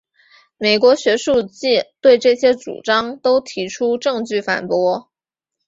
美国学术界对这些主张都提出证据反驳。